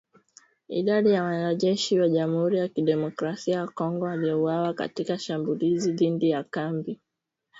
Idadi ya wanajeshi wa Jamuhuri ya Kidemokrasia ya Kongo waliouawa katika shambulizi dhidi ya kambi zao haijajulikana